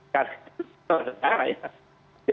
karena itu negara ya